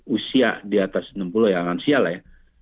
usia di atas enam puluh ya lansia lah ya